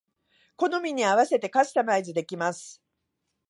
好みに合わせてカスタマイズできます